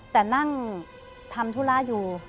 แต่นั่งทำธุระอยู่